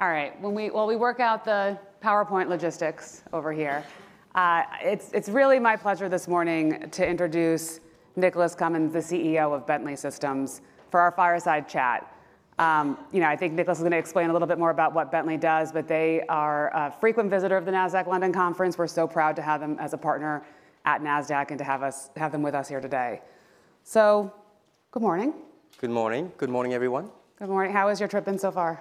All right, while we work out the PowerPoint logistics over here, it's really my pleasure this morning to introduce Nicholas Cumins, the CEO of Bentley Systems, for our fireside chat. You know, I think Nicholas is going to explain a little bit more about what Bentley does, but they are a frequent visitor of the Nasdaq London Conference. We're so proud to have them as a partner at Nasdaq and to have them with us here today. So, good morning. Good morning. Good morning, everyone. Good morning. How has your trip been so far?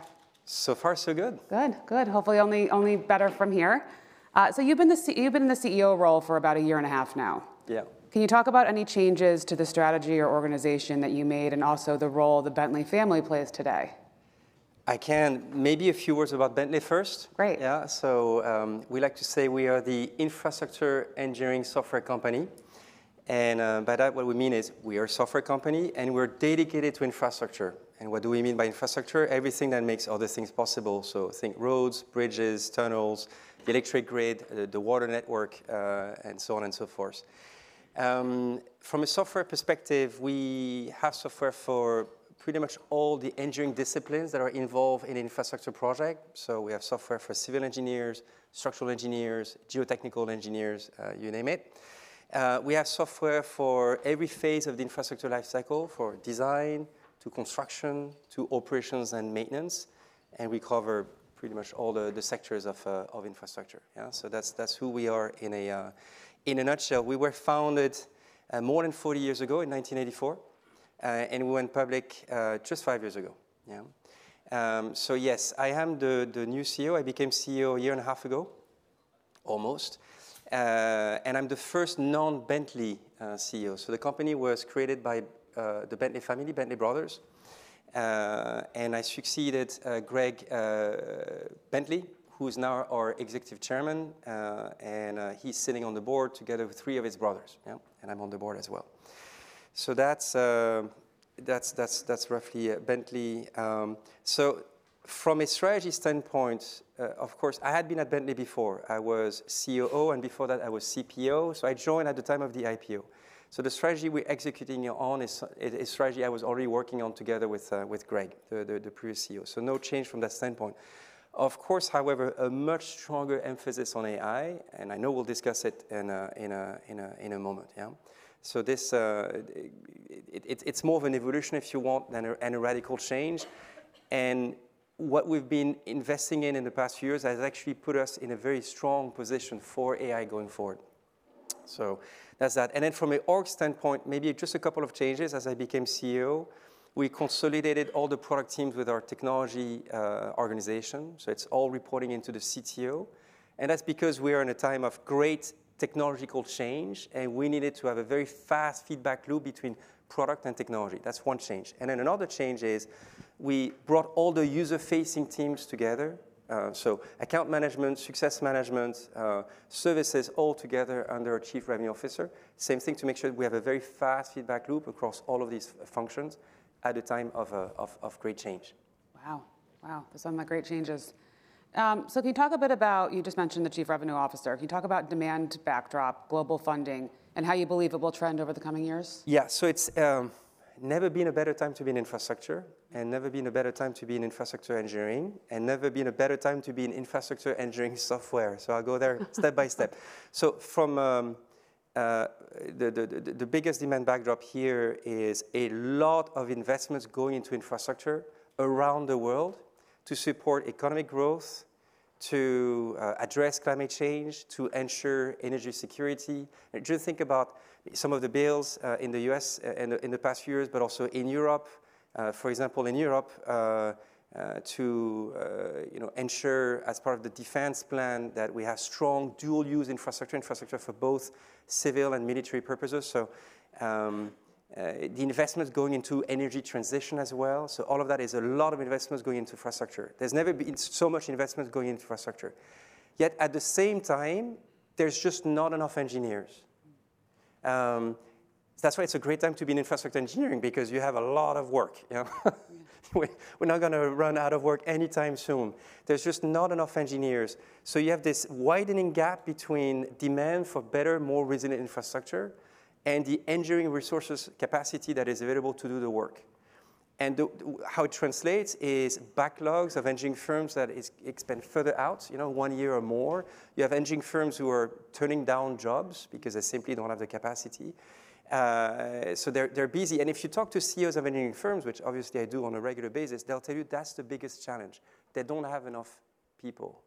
So far, so good. Good, good. Hopefully, only better from here. You've been in the CEO role for about a year and a half now. Yeah. Can you talk about any changes to the strategy or organization that you made and also the role the Bentley family plays today? I can. Maybe a few words about Bentley first. Great. Yeah. So we like to say we are the infrastructure engineering software company. And by that, what we mean is we are a software company and we're dedicated to infrastructure. What do we mean by infrastructure? Everything that makes other things possible. So think roads, bridges, tunnels, the electric grid, the water network, and so on and so forth. From a software perspective, we have software for pretty much all the engineering disciplines that are involved in an infrastructure project. We have software for civil engineers, structural engineers, geotechnical engineers, you name it. We have software for every phase of the infrastructure lifecycle, from design to construction to operations and maintenance. And we cover pretty much all the sectors of infrastructure. That's who we are in a nutshell. We were founded more than 40 years ago in 1984, and we went public just five years ago. Yes, I am the new CEO. I became CEO a year and a half ago, almost. I'm the first non-Bentley CEO. The company was created by the Bentley family, Bentley brothers. I succeeded Greg Bentley, who is now our Executive Chairman and he's sitting on the board together with three of his brothers. I'm on the board as well. So that's roughly Bentley. From a strategy standpoint, of course, I had been at Bentley before. I was COO, and before that, I was CPO. So I joined at the time of the IPO. The strategy we're executing on is a strategy I was already working on together with Greg, the previous CEO. So no change from that standpoint. Of course, however, a much stronger emphasis on AI. And I know we'll discuss it in a moment. It's more of an evolution, if you want, than a radical change. What we've been investing in in the past few years has actually put us in a very strong position for AI going forward. That's that. And then from an org standpoint, maybe just a couple of changes as I became CEO. We consolidated all the product teams with our technology organization. It's all reporting into the CTO and that's because we are in a time of great technological change, and we needed to have a very fast feedback loop between product and technology. That's one change. Another change is we brought all the user-facing teams together. Account management, success management, services all together under a Chief Revenue Officer. Same thing to make sure we have a very fast feedback loop across all of these functions at a time of great change. Wow, wow. There's so many great changes. Can you talk a bit about, you just mentioned the Chief Revenue Officer. Can you talk about demand backdrop, global funding, and how you believe it will trend over the coming years? Yeah. So it's never been a better time to be in infrastructure and never been a better time to be in infrastructure engineering and never been a better time to be in infrastructure engineering software. I'll go there step by step. The biggest demand backdrop here is a lot of investments going into infrastructure around the world to support economic growth, to address climate change, to ensure energy security. Just think about some of the bills in the U.S. in the past few years, but also in Europe. For example, in Europe, to ensure as part of the defense plan that we have strong dual-use infrastructure, infrastructure for both civil and military purposes. So the investments going into energy transition as well. All of that is a lot of investments going into infrastructure. There's never been so much investment going into infrastructure. Yet at the same time, there's just not enough engineers. That's why it's a great time to be in infrastructure engineering because you have a lot of work. We're not going to run out of work anytime soon. There's just not enough engineers. You have this widening gap between demand for better, more resilient infrastructure and the engineering resources capacity that is available to do the work. How it translates is backlogs of engineering firms that expand further out, one year or more. You have engineering firms who are turning down jobs because they simply don't have the capacity. They're busy, and if you talk to CEOs of engineering firms, which obviously I do on a regular basis, they'll tell you that's the biggest challenge. They don't have enough people.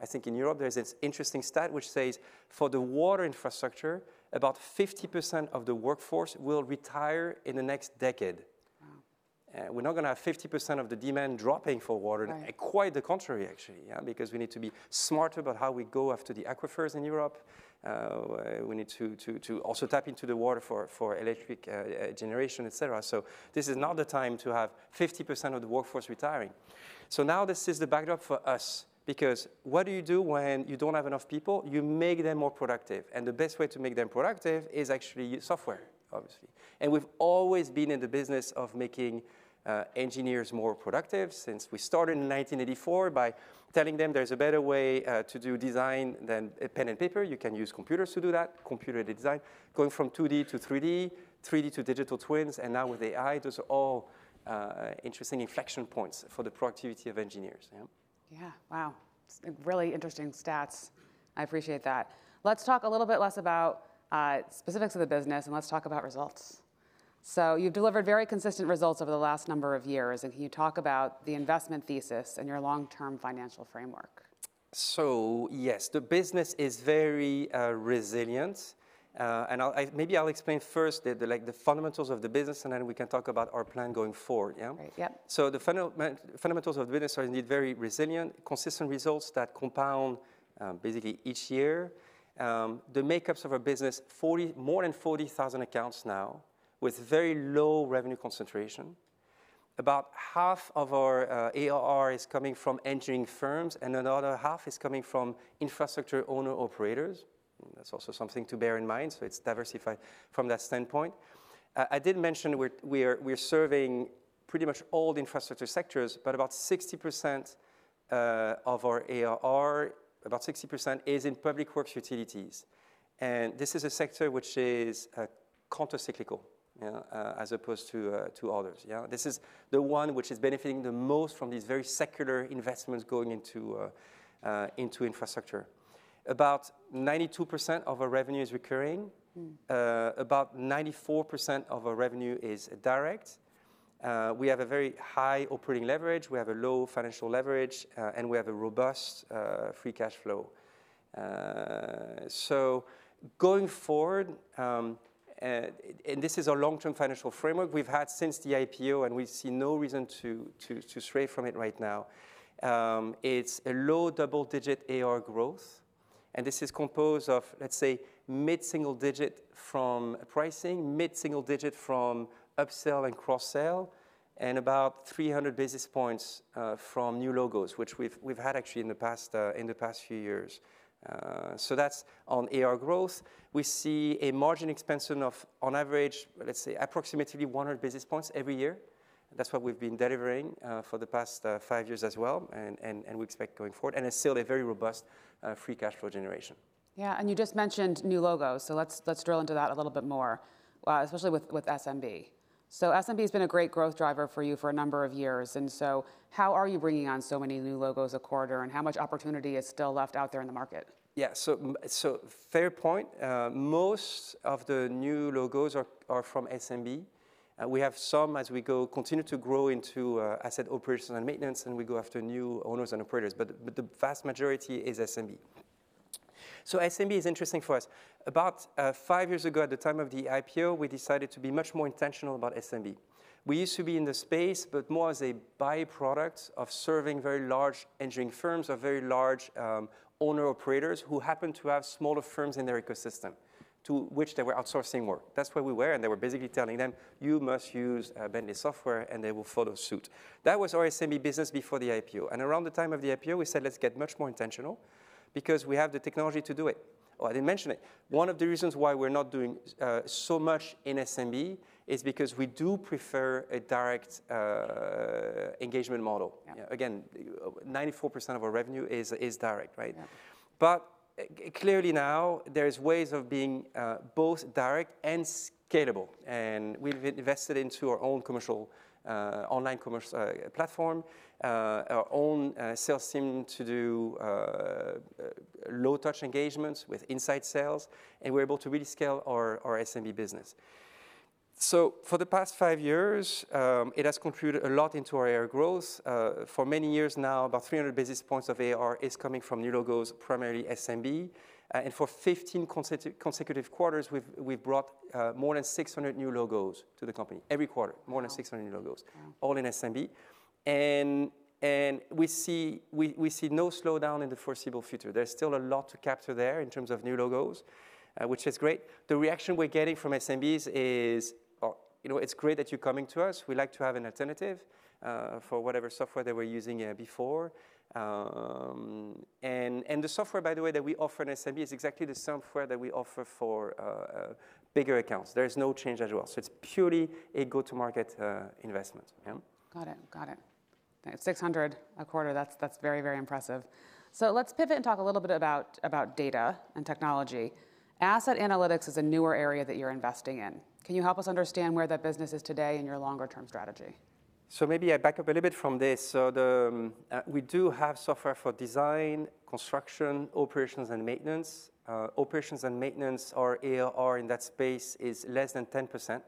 I think in Europe, there's this interesting stat which says for the water infrastructure, about 50% of the workforce will retire in the next decade. We're not going to have 50% of the demand dropping for water. Quite the contrary, actually, because we need to be smarter about how we go after the aquifers in Europe. We need to also tap into the water for electric generation, et cetera. This is not the time to have 50% of the workforce retiring. Now this is the backdrop for us because what do you do when you don't have enough people? You make them more productive and the best way to make them productive is actually software, obviously. We've always been in the business of making engineers more productive since we started in 1984 by telling them there's a better way to do design than pen and paper. You can use computers to do that, computer design, going from 2D to 3D, 3D to digital twins, and now with AI, those are all interesting inflection points for the productivity of engineers. Yeah, wow. Really interesting stats. I appreciate that. Let's talk a little bit less about specifics of the business and let's talk about results. You've delivered very consistent results over the last number of years and can you talk about the investment thesis and your long-term financial framework? So yes, the business is very resilient. I'll explain first the fundamentals of the business, and then we can talk about our plan going forward. The fundamentals of the business are indeed very resilient, consistent results that compound basically each year. The makeups of our business, more than 40,000 accounts now with very low revenue concentration. About half of our ARR is coming from engineering firms, and another half is coming from infrastructure owner-operators. That's also something to bear in mind. It's diversified from that standpoint. I did mention we're serving pretty much all the infrastructure sectors, but about 60% of our ARR, about 60% is in public works utilities and this is a sector which is countercyclical as opposed to others. This is the one which is benefiting the most from these very secular investments going into infrastructure. About 92% of our revenue is recurring. About 94% of our revenue is direct. We have a very high operating leverage. We have a low financial leverage, and we have free cash flow. So going forward, and this is our long-term financial framework we've had since the IPO, and we see no reason to stray from it right now. It's a low double-digit ARR growth. And this is composed of, let's say, mid-single digit from pricing, mid-single digit from upsell and cross-sell, and about 300 basis points from new logos, which we've had actually in the past few years. So that's on ARR growth. We see a margin expansion of, on average, let's say, approximately 100 basis points every year. That's what we've been delivering for the past five years as well and we expect going forward. It's still a robust free cash flow generation. Yeah. You just mentioned new logos. So let's drill into that a little bit more, especially with SMB. SMB has been a great growth driver for you for a number of years and so how are you bringing on so many new logos a quarter? And how much opportunity is still left out there in the market? Yeah. So fair point. Most of the new logos are from SMB. We have some as we continue to grow into asset operations and maintenance, and we go after new owners and operators. The vast majority is SMB. SMB is interesting for us. About five years ago, at the time of the IPO, we decided to be much more intentional about SMB. We used to be in the space, but more as a byproduct of serving very large engineering firms or very large owner-operators who happened to have smaller firms in their ecosystem to which they were outsourcing work. That's where we were. And they were basically telling them, you must use Bentley software, and they will follow suit. That was our SMB business before the IPO. Around the time of the IPO, we said, let's get much more intentional because we have the technology to do it. Oh, I didn't mention it. One of the reasons why we're not doing so much in SMB is because we do prefer a direct engagement model. Again, 94% of our revenue is direct, right? But clearly now, there are ways of being both direct and scalable. We've invested into our own online commercial platform, our own sales team to do low-touch engagements with inside sales. We're able to really scale our SMB business. For the past five years, it has contributed a lot into our ARR growth. For many years now, about 300 basis points of ARR is coming from new logos, primarily SMB. For 15 consecutive quarters, we've brought more than 600 new logos to the company. Every quarter, more than 600 new logos, all in SMB. And we see no slowdown in the foreseeable future. There's still a lot to capture there in terms of new logos, which is great. The reaction we're getting from SMBs is, it's great that you're coming to us. We'd like to have an alternative for whatever software that we're using before. And the software, by the way, that we offer in SMB is exactly the software that we offer for bigger accounts. There is no change as well. So it's purely a go-to-market investment. Got it. Got it. 600 a quarter. That's very, very impressive. Let's pivot and talk a little bit about data and technology. Asset Analytics is a newer area that you're investing in. Can you help us understand where that business is today in your longer-term strategy? Maybe I back up a little bit from this. So we do have software for design, construction, operations, and maintenance. Operations and maintenance, our ARR in that space is less than 10%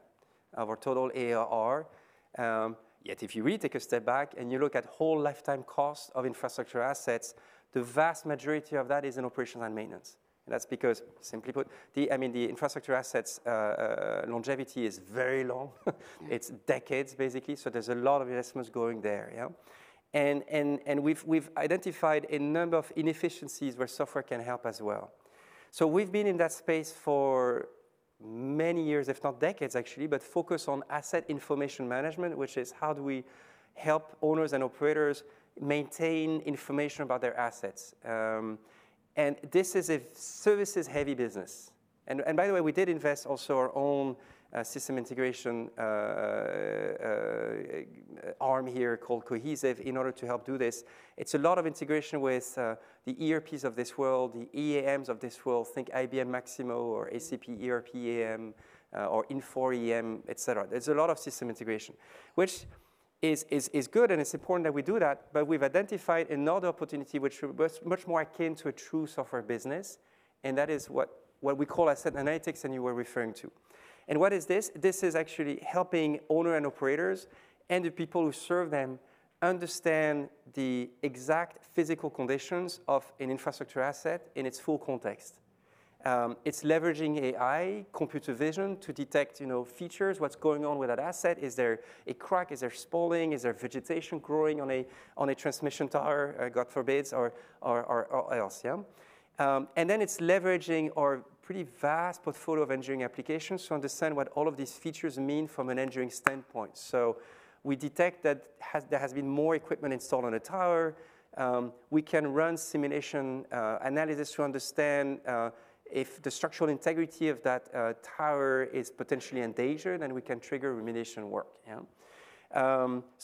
of our total ARR. Yet if you really take a step back and you look at whole lifetime cost of infrastructure assets, the vast majority of that is in operations and maintenance. That's because, simply put, I mean, the infrastructure assets' longevity is very long. It's decades, basically. So there's a lot of investments going there. We've identified a number of inefficiencies where software can help as well. We've been in that space for many years, if not decades, actually, but focus on asset information management, which is how do we help owners and operators maintain information about their assets. This is a services-heavy business. By the way, we did invest also our system integration arm here called Cohesive in order to help do this. It's a lot of integration with the ERPs of this world, the EAMs of this world. Think IBM Maximo or SAP ERP EAM or Infor EAM, et cetera. There's a lot system integration, which is good, and it's important that we do that. We've identified another opportunity which was much more akin to a true software business. That is what we call Asset Analytics and you were referring to. What is this? This is actually helping owner and operators and the people who serve them understand the exact physical conditions of an infrastructure asset in its full context. It's leveraging AI, computer vision to detect features. What's going on with that asset? Is there a crack? Is there spalling? Is there vegetation growing on a transmission tower, God forbid, or else, and then it's leveraging our pretty vast portfolio of engineering applications to understand what all of these features mean from an engineering standpoint, so we detect that there has been more equipment installed on a tower. We can run simulation analysis to understand if the structural integrity of that tower is potentially endangered, and we can trigger remediation work.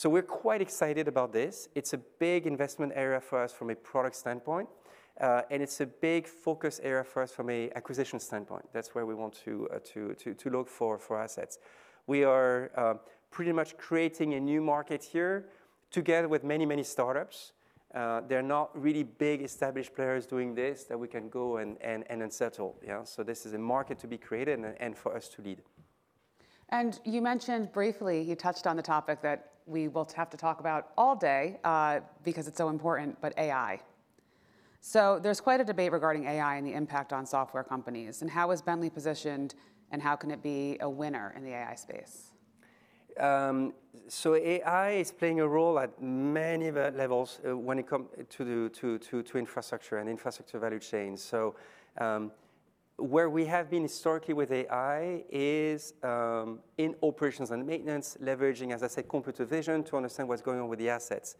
We're quite excited about this. It's a big investment area for us from a product standpoint, and it's a big focus area for us from an acquisition standpoint. That's where we want to look for assets. We are pretty much creating a new market here together with many, many startups. There are not really big established players doing this that we can go and acquire, so this is a market to be created and for us to lead. You mentioned briefly, you touched on the topic that we will have to talk about all day because it's so important, but AI. There's quite a debate regarding AI and the impact on software companies. And how is Bentley positioned, and how can it be a winner in the AI space? AI is playing a role at many levels when it comes to infrastructure and infrastructure value chain. Where we have been historically with AI is in operations and maintenance, leveraging, as I said, computer vision to understand what's going on with the assets.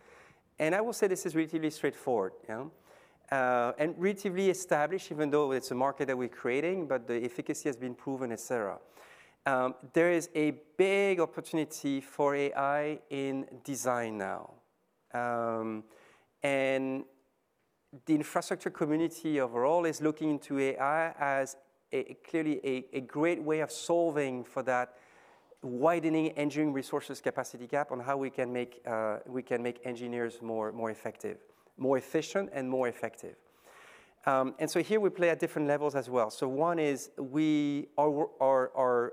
I will say this is relatively straightforward and relatively established, even though it's a market that we're creating, but the efficacy has been proven, et cetera. There is a big opportunity for AI in design now. The infrastructure community overall is looking into AI as clearly a great way of solving for that widening engineering resources capacity gap on how we can make engineers more effective, more efficient, and more effective. Here we play at different levels as well. One is we are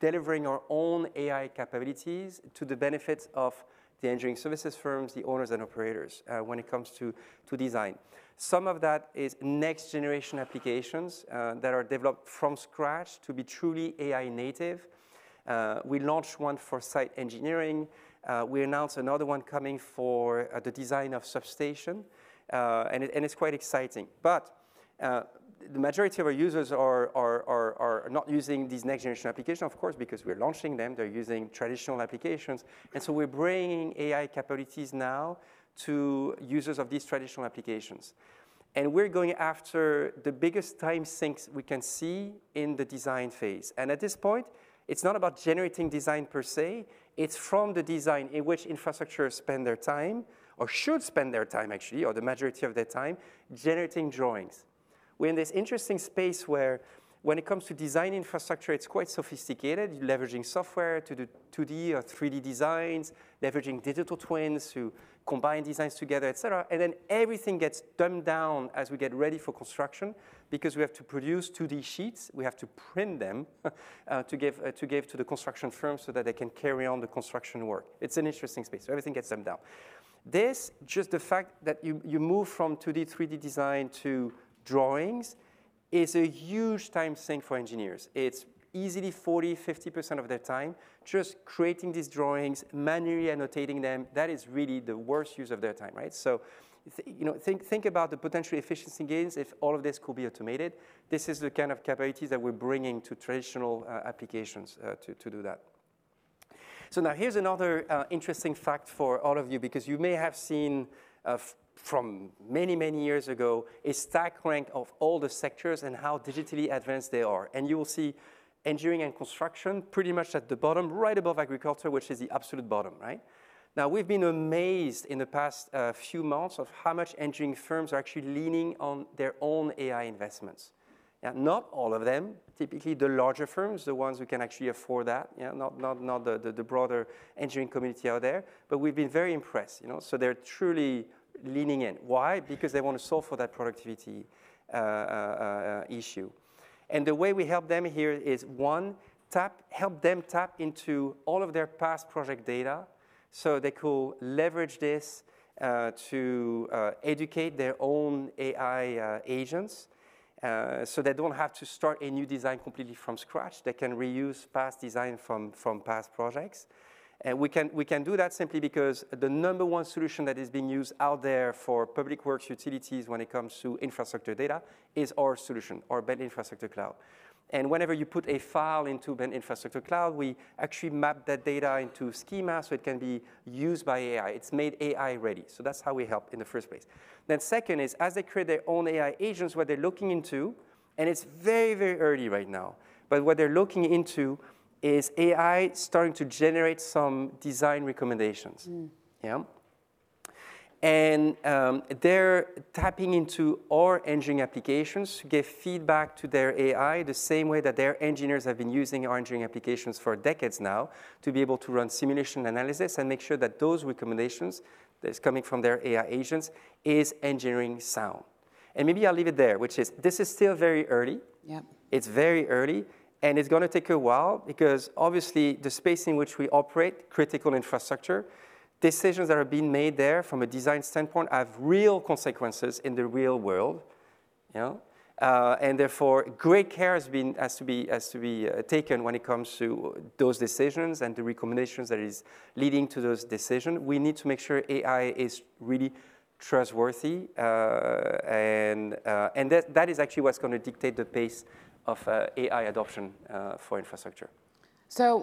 delivering our own AI capabilities to the benefit of the engineering services firms, the owners, and operators when it comes to design. Some of that is next-generation applications that are developed from scratch to be truly AI native. We launched one for site engineering. We announced another one coming for the design of substation. It's quite exciting. But the majority of our users are not using these next-generation applications, of course, because we're launching them. They're using traditional applications. And so we're bringing AI capabilities now to users of these traditional applications. We're going after the biggest time sinks we can see in the design phase. At this point, it's not about generating design per se. It's from the design in which infrastructures spend their time or should spend their time, actually, or the majority of their time, generating drawings. We're in this interesting space where when it comes to design infrastructure, it's quite sophisticated, leveraging software to do 2D or 3D designs, leveraging digital twins to combine designs together, et cetera. Then everything gets dumbed down as we get ready for construction because we have to produce 2D sheets. We have to print them to give to the construction firms so that they can carry on the construction work. It's an interesting space. So everything gets dumbed down. This, just the fact that you move from 2D, 3D design to drawings is a huge time sink for engineers. It's easily 40%, 50% of their time just creating these drawings, manually annotating them. That is really the worst use of their time, right? Think about the potential efficiency gains if all of this could be automated. This is the kind of capabilities that we're bringing to traditional applications to do that. Now here's another interesting fact for all of you because you may have seen from many, many years ago a stack rank of all the sectors and how digitally advanced they are. And you will see engineering and construction pretty much at the bottom, right above agriculture, which is the absolute bottom, right? Now, we've been amazed in the past few months of how much engineering firms are actually leaning on their own AI investments. Not all of them, typically the larger firms, the ones who can actually afford that, not the broader engineering community out there. But we've been very impressed. So they're truly leaning in. Why? Because they want to solve for that productivity issue. The way we help them here is, one, help them tap into all of their past project data. So they could leverage this to educate their own AI agents so they don't have to start a new design completely from scratch. They can reuse past design from past projects. We can do that simply because the number one solution that is being used out there for public works utilities when it comes to infrastructure data is our solution, our Bentley Infrastructure Cloud. Whenever you put a file into Bentley Infrastructure Cloud, we actually map that data into schema so it can be used by AI. It's made AI ready. So that's how we help in the first place. Then second is, as they create their own AI agents, what they're looking into, and it's very, very early right now, but what they're looking into is AI starting to generate some design recommendations, and they're tapping into our engineering applications to give feedback to their AI the same way that their engineers have been using our engineering applications for decades now to be able to run simulation analysis and make sure that those recommendations that are coming from their AI agents are engineering sound, and maybe I'll leave it there, which is, this is still very early. It's very early, and it's going to take a while because obviously, the space in which we operate, critical infrastructure, decisions that are being made there from a design standpoint have real consequences in the real world. Therefore, great care has to be taken when it comes to those decisions and the recommendations that are leading to those decisions. We need to make sure AI is really trustworthy. That is actually what's going to dictate the pace of AI adoption for infrastructure. I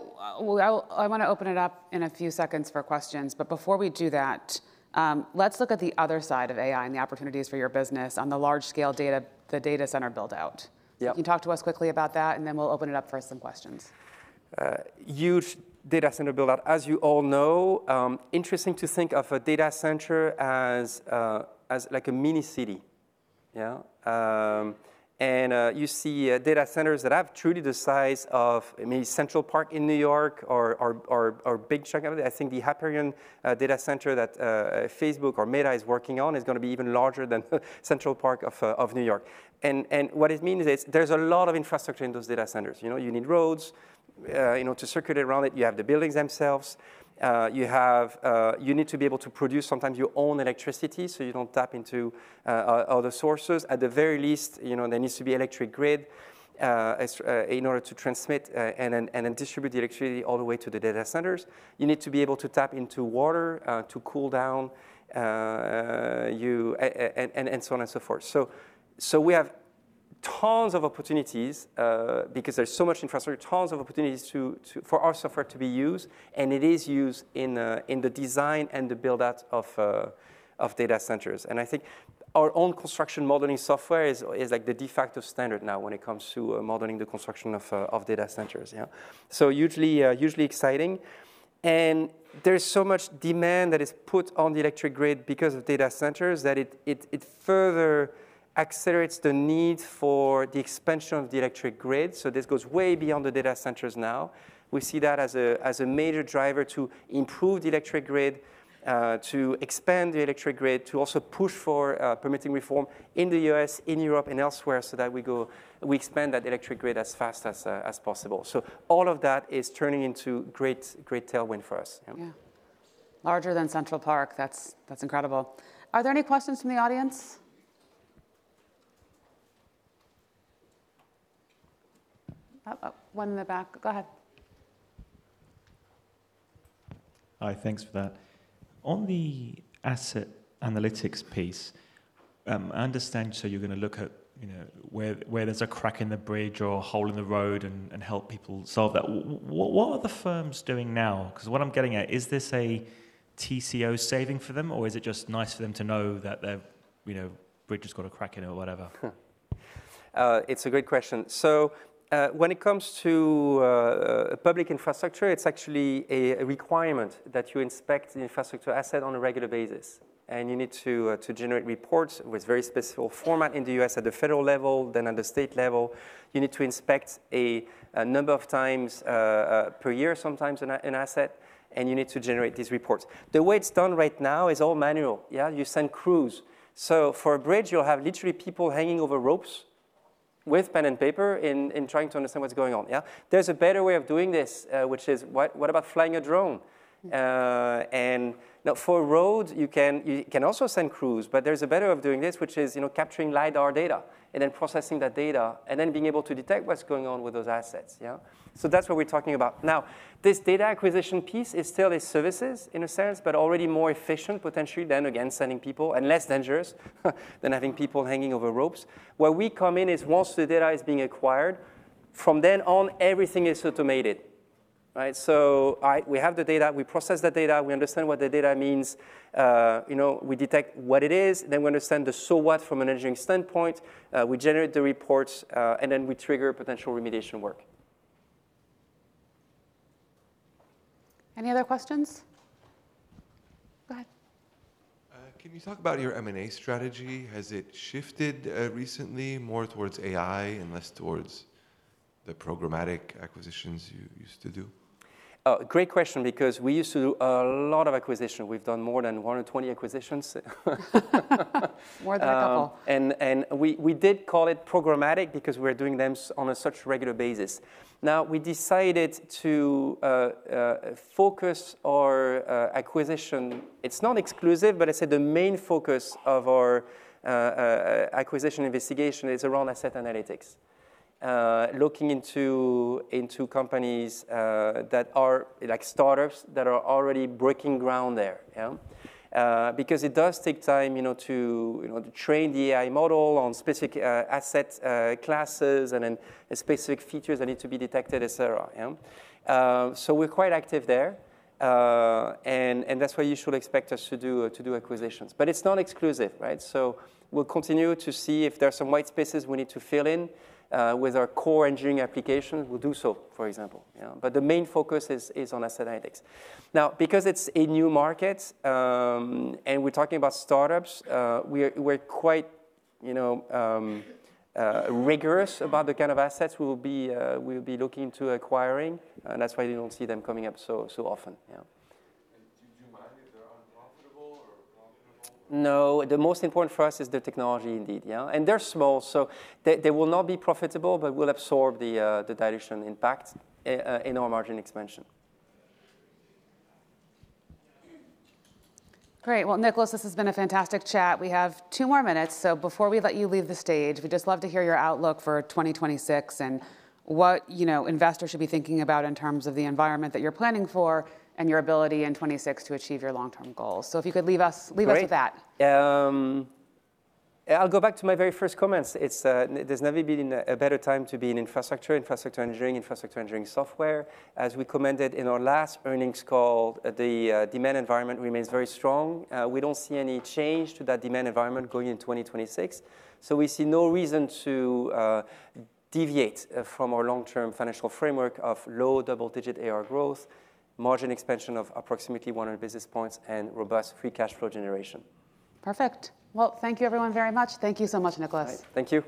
want to open it up in a few seconds for questions. But before we do that, let's look at the other side of AI and the opportunities for your business on the large-scale data, the data center buildout. Can you talk to us quickly about that? And then we'll open it up for some questions. Huge data center buildout. As you all know, interesting to think of a data center as like a mini city. You see data centers that have truly the size of maybe Central Park in New York or a big chunk of it. I think the Hyperion data center that Facebook or Meta is working on is going to be even larger than Central Park of New York. What it means is there's a lot of infrastructure in those data centers. You need roads to circulate around it. You have the buildings themselves. You need to be able to produce sometimes your own electricity so you don't tap into other sources. At the very least, there needs to be an electric grid in order to transmit and distribute the electricity all the way to the data centers. You need to be able to tap into water to cool down you, and so on and so forth. We have tons of opportunities because there's so much infrastructure, tons of opportunities for our software to be used. It is used in the design and the buildout of data centers. I think our own construction modeling software is like the de facto standard now when it comes to modeling the construction of data centers. So usually exciting. And there's so much demand that is put on the electric grid because of data centers that it further accelerates the need for the expansion of the electric grid. So this goes way beyond the data centers now. We see that as a major driver to improve the electric grid, to expand the electric grid, to also push for permitting reform in the U.S., in Europe, and elsewhere so that we expand that electric grid as fast as possible. So all of that is turning into great tailwind for us. Yeah. Larger than Central Park. That's incredible. Are there any questions from the audience? One in the back. Go ahead. Hi. Thanks for that. On the Asset Analytics piece, I understand you're going to look at where there's a crack in the bridge or a hole in the road and help people solve that. What are the firms doing now? What I'm getting at, is this a TCO saving for them, or is it just nice for them to know that their bridge has got a crack in it or whatever? It's a great question. So when it comes to public infrastructure, it's actually a requirement that you inspect the infrastructure asset on a regular basis and you need to generate reports with very specific format in the U.S. at the federal level, then at the state level. You need to inspect a number of times per year sometimes an asset and you need to generate these reports. The way it's done right now is all manual. You send crews. So for a bridge, you'll have literally people hanging over ropes with pen and paper and trying to understand what's going on. There's a better way of doing this, which is, what about flying a drone? And for a road, you can also send crews. But there's a better way of doing this, which is capturing LiDAR data and then processing that data and then being able to detect what's going on with those assets. That's what we're talking about. Now, this data acquisition piece is still a service in a sense, but already more efficient potentially than, again, sending people and less dangerous than having people hanging over ropes. Where we come in is once the data is being acquired, from then on, everything is automated. We have the data. We process the data. We understand what the data means. We detect what it is. Then we understand the so what from an engineering standpoint. We generate the reports and then we trigger potential remediation work. Any other questions? Go ahead. Can you talk about your M&A strategy? Has it shifted recently more towards AI and less towards the programmatic acquisitions you used to do? Great question because we used to do a lot of acquisitions. We've done more than 120 acquisitions. More than a couple. We did call it programmatic because we were doing them on such a regular basis. Now, we decided to focus our acquisition. It's not exclusive, but I said the main focus of our acquisition investigation is around Asset Analytics, looking into companies that are like startups that are already breaking ground there. Because it does take time to train the AI model on specific asset classes and then specific features that need to be detected, et cetera. So we're quite active there and that's why you should expect us to do acquisitions. But it's not exclusive. So we'll continue to see if there are some white spaces we need to fill in with our core engineering applications. We'll do so, for example. The main focus is on Asset Analytics. Now, because it's a new market and we're talking about startups, we're quite rigorous about the kind of assets we will be looking into acquiring. That's why you don't see them coming up so often. Do you mind if they're unprofitable or profitable? No. The most important for us is the technology indeed, and they're small, so they will not be profitable, but will absorb the dilution impact in our margin expansion. Great. Well, Nicholas, this has been a fantastic chat. We have two more minutes. So before we let you leave the stage, we'd just love to hear your outlook for 2026 and what investors should be thinking about in terms of the environment that you're planning for and your ability in 2026 to achieve your long-term goals. So if you could leave us with that. I'll go back to my very first comments. There's never been a better time to be in infrastructure, infrastructure engineering, infrastructure engineering software. As we commented in our last earnings call, the demand environment remains very strong. We don't see any change to that demand environment going into 2026. We see no reason to deviate from our long-term financial framework of low double-digit ARR growth, margin expansion of approximately 100 basis points, robust free cash flow generation. Perfect. Well, thank you, everyone, very much. Thank you so much, Nicholas. Thank you.